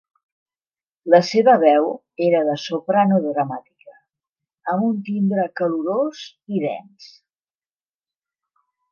La seva veu era de soprano dramàtica, amb un timbre calorós i dens.